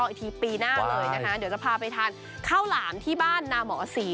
อีกทีปีหน้าเลยนะคะเดี๋ยวจะพาไปทานข้าวหลามที่บ้านนาหมอศรี